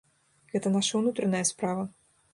Гэта наша ўнутраная справа.